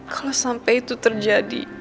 kalau sampai itu terjadi